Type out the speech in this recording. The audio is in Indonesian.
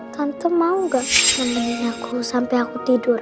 tante mau gak membeli aku sampai aku tidur